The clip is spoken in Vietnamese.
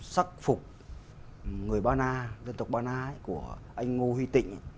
sắc phục người ba na dân tộc ba na của anh ngu huy tịnh